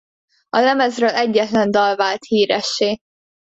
A lemezről egyetlen dal vált híressé.